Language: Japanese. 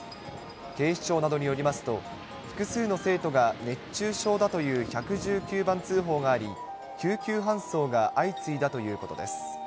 警視庁などによりますと、複数の生徒が熱中症だという１１９番通報があり、救急搬送が相次いだということです。